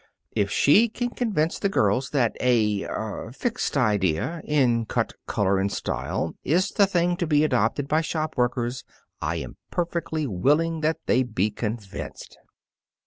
If she can convince the girls that a er fixed idea in cut, color, and style is the thing to be adopted by shop workers I am perfectly willing that they be convinced."